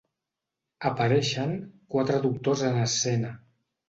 Apareixen quatre doctors en escena.